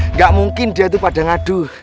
nggak mungkin dia tuh pada ngadu